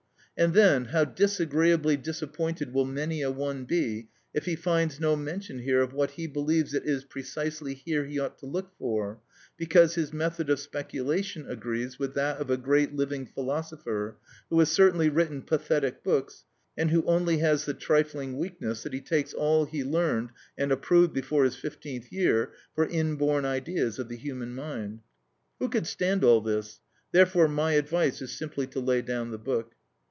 And then, how disagreeably disappointed will many a one be if he finds no mention here of what he believes it is precisely here he ought to look for, because his method of speculation agrees with that of a great living philosopher,(1) who has certainly written pathetic books, and who only has the trifling weakness that he takes all he learned and approved before his fifteenth year for inborn ideas of the human mind. Who could stand all this? Therefore my advice is simply to lay down the book.